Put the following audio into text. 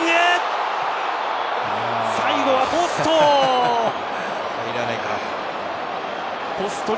最後はポスト。